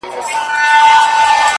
د ځان وژني د رسۍ خریدارۍ ته ولاړم،